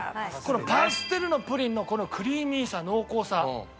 このパステルのプリンのクリーミーさ濃厚さ。